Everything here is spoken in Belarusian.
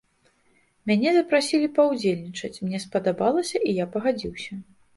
Мяне запрасілі паўдзельнічаць, мне спадабалася, і я пагадзіўся.